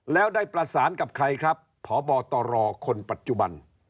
แล้วได้ประสานกับใครครับพบตรคนปัจจุบัน